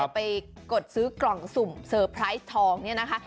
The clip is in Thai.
ไปกดซื้อกล่องสุ่มเซอร์ไพรส์ทองเนี่ยนะคะ